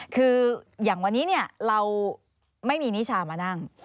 คืออย่างวันนี้เราไม่มีนิชามานั่ง